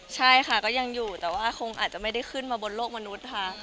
ใช่ค่ะก็ยังอยู่แต่ว่าคงอาจจะไม่ได้ขึ้นมาบนโลกมนุษย์ค่ะ